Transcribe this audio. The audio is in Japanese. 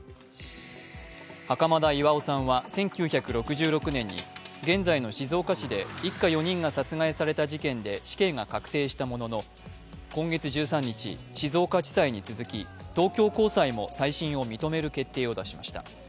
袴田巌さんは１９６６年に現在の静岡市で一家４人が殺害された事件で死刑が確定したものの、今月１３日、静岡地裁に続き東京高裁も再審を認める決定を出しました。